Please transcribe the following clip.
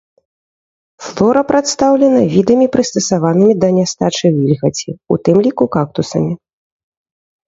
Флора прадстаўлена відамі, прыстасаванымі да нястачы вільгаці, у тым ліку кактусамі.